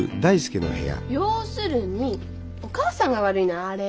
要するにお母さんが悪いのよあれは。